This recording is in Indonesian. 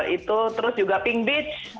itu terus juga pink beach